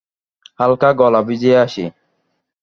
হালকা গলা ভিজিয়ে আসি।